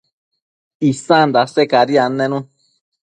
isan dase cadi annenun